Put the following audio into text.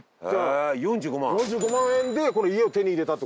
４５万円でこの家を手に入れたってこと？